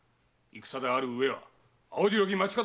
戦であるうえは蒼白き町方